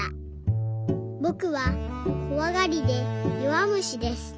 「ぼくはこわがりでよわむしです。